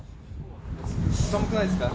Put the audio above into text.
寒くないですか？